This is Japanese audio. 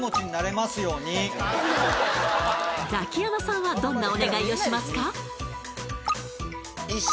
ザキヤマさんはどんなお願いをしますか？